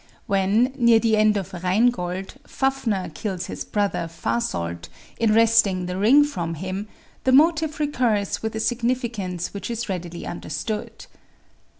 When, near the end of "Rheingold," Fafner kills his brother, Fasolt, in wresting the Ring from him, the motive recurs with a significance which is readily understood.